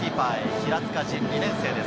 平塚、２年生です。